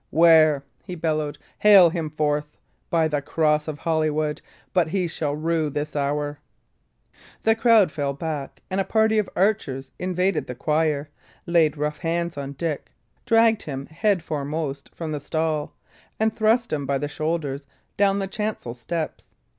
"Where?" he bellowed. "Hale him forth! By the cross of Holywood, but he shall rue this hour!" The crowd fell back, and a party of archers invaded the choir, laid rough hands on Dick, dragged him head foremost from the stall, and thrust him by the shoulders down the chancel steps.